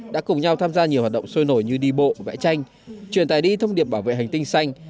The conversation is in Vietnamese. đã cùng nhau tham gia nhiều hoạt động sôi nổi như đi bộ vẽ tranh truyền tài đi thông điệp bảo vệ hành tinh xanh